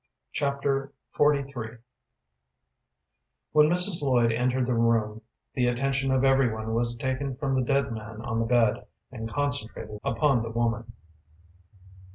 Chapter XLIII When Mrs. Lloyd entered the room, the attention of every one was taken from the dead man on the bed and concentrated upon the woman.